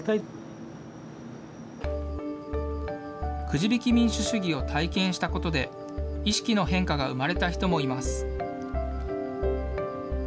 くじ引き民主主義を体験したことで、意識の変化が生まれた人もいます。